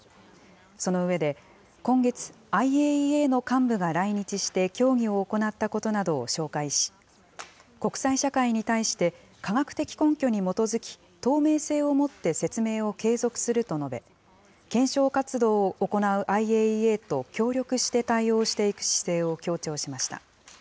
その上で、今月、ＩＡＥＡの幹部が来日して協議を行ったことなどを紹介し、国際社会に対して科学的根拠に基づき、透明性をもって説明を継続すると述べ、検証活動を行うＩＡＥＡと協力して対応していく姿勢を強調しました。